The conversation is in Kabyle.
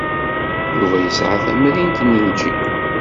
Yuba yesɛa tamrint n ljib.